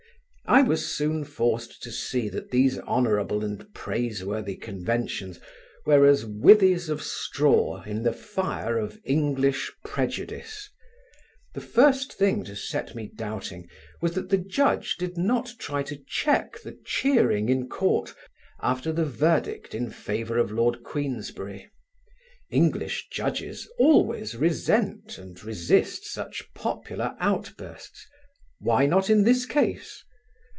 I was soon forced to see that these honourable and praiseworthy conventions were as withes of straw in the fire of English prejudice. The first thing to set me doubting was that the judge did not try to check the cheering in Court after the verdict in favour of Lord Queensberry. English judges always resent and resist such popular outbursts: why not in this case?